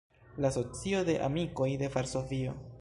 La Socio de Amikoj de Varsovio.